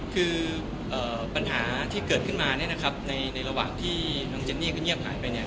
คือปัญหาที่เกิดขึ้นมาเนี่ยนะครับในระหว่างที่น้องเจนนี่ก็เงียบหายไปเนี่ย